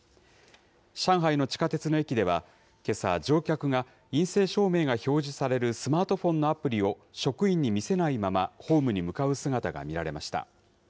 上海の地下鉄の駅では、けさ、乗客が陰性証明が表示されるスマートフォンのアプリを職員に見せないまま、ホームに向かう姿が見られました。